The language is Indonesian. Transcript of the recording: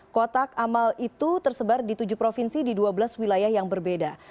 kotak amal itu tersebar di tujuh provinsi di dua belas wilayah yang berbeda